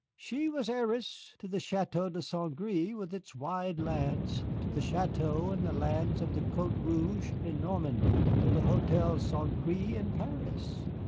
She was heiress to the Château de St. Gré with its wide lands, to the château and lands of the Côte Rouge in Normandy, to the hotel St. Gré in Paris.